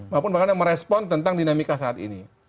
maupun bahkan merespon tentang dinamika saat ini